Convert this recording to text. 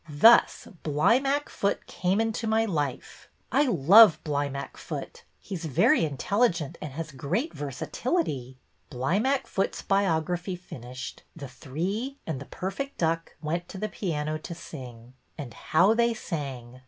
Thus Bly mackfoot came into my life. I love Blymack foot. He 's very intelligent and has great versatility.'' Blymackfoot's biography finished, the three, and the perfect duck, went to the piano to sing. And how they sang!